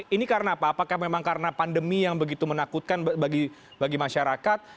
ini karena apa apakah memang karena pandemi yang begitu menakutkan bagi masyarakat